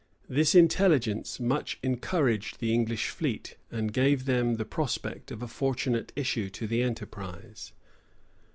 This intelligence much encouraged the English fleet, and gave them the prospect of a fortunate issue to the enterprise.